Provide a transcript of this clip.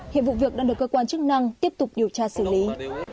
hiện vụ việc đang được cơ quan chức năng tiếp tục điều tra xử lý